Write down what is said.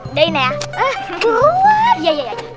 udah ini ya